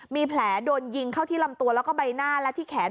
มีแผลโดนยิงเข้าที่ลำตัวแล้วก็ใบหน้าและที่แขน